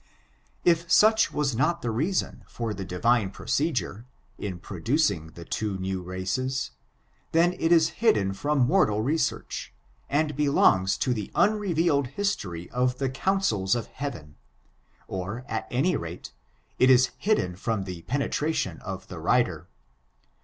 If such was not the reason for the Divine proced mre, in producing the two new races, then it is hidden from mortal research, and belongs to the unrevealed history of the councils of Heaven, or, at any rate, it is hidden from the penetration of the writer.